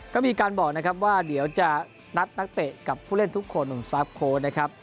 ก็มีการบอกนะครับว่าเดี๋ยวจะนัดนักเตะกับผู้เล่นทุกคนหนุ่มสตาร์ฟโค้ดนะครับ